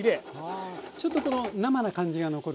あちょっとこの生な感じが残るぐらい。